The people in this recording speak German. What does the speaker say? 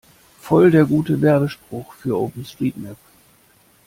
Voll der gute Werbespruch für OpenStreetMap!